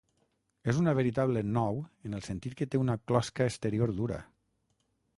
És una veritable nou en el sentit que té una closca exterior dura.